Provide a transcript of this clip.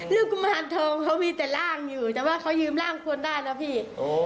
กุมารทองเขามีแต่ร่างอยู่แต่ว่าเขายืมร่างคนได้นะพี่